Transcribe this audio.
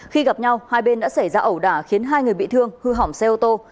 khi gặp nhau hai bên đã xảy ra ẩu đả khiến hai người bị thương hư hỏng xe ô tô